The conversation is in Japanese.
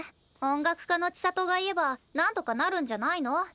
音楽科の千砂都が言えば何とかなるんじゃないの？